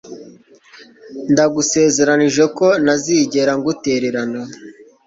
Ndagusezeranije ko ntazigera ngutererana